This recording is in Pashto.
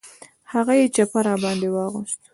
هغه یې چپه را باندې واغوست.